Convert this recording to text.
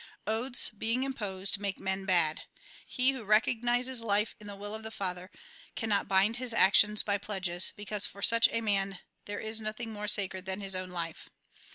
Oaths, being imposed, make men bad. He who recognises life in the will of the Father cannot bind his actions by pledges ; because for such a man there is nothing more sacred than his own life.